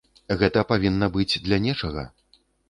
Гэта павінна быць для нечага.